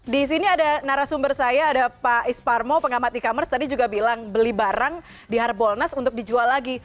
di sini ada narasumber saya ada pak isparmo pengamat e commerce tadi juga bilang beli barang di harbolnas untuk dijual lagi